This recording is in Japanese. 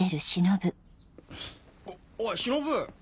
おっおいしのぶ。